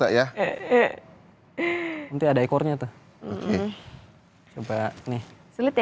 ya nanti ada ekornya tuh coba nih gede guys ternyata nggak punya udah dibisnis kalau masih